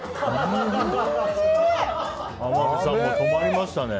天海さんも止まりましたね。